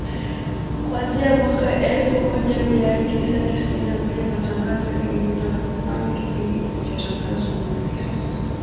Kuanzia mwaka elfu moja mia tisa tisini na mbili matangazo yaligeuzwa na kufanywa kipindi kilichotangazwa moja kwa moja,